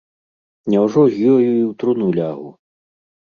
Няўжо з ёю і ў труну лягу?